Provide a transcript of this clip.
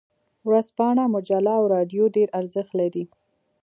ورځپاڼه، مجله او رادیو ډیر ارزښت لري.